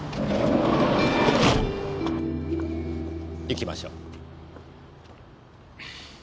行きましょう。